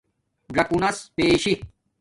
ژَکُݸنس بیشی